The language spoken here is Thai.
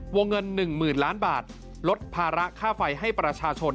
วงเงิน๑๐๐๐ล้านบาทลดภาระค่าไฟให้ประชาชน